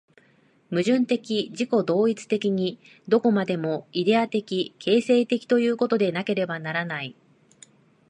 矛盾的自己同一的に、どこまでもイデヤ的形成的ということでなければならない。